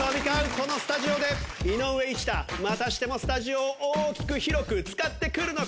このスタジオで井上一太またしてもスタジオを大きく広く使ってくるのか？